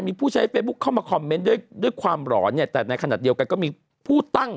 มีผู้ใช้เฟซบุ๊คเข้ามาคอมเมนต์ด้วยด้วยความหลอนเนี่ยแต่ในขณะเดียวกันก็มีผู้ตั้ง